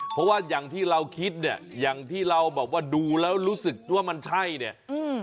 เพราะว่าอย่างที่เราคิดเนี่ยอย่างที่เราแบบว่าดูแล้วรู้สึกว่ามันใช่เนี่ยอืม